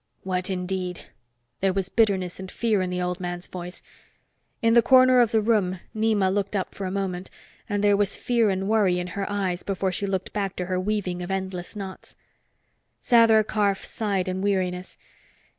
"What indeed?" There was bitterness and fear in the old man's voice. In the corner of the room, Nema looked up for a moment, and there was fear and worry in her eyes before she looked back to her weaving of endless knots. Sather Karf sighed in weariness.